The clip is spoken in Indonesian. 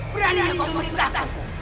berani kau merintahkan